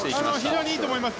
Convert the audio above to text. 非常にいいと思います。